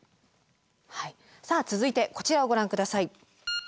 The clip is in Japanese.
はいさあ続いてこちらをご覧ください。